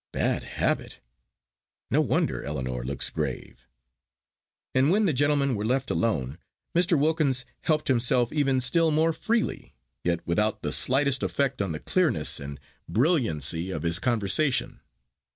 "Bad habit no wonder Ellinor looks grave." And when the gentlemen were left alone, Mr. Wilkins helped himself even still more freely; yet without the slightest effect on the clearness and brilliancy of his conversation.